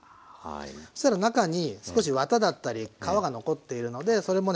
そしたら中に少しワタだったり皮が残っているのでそれもね